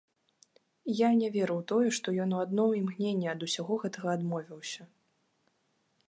Я не веру ў тое, што ён у адно імгненне ад усяго гэтага адмовіўся.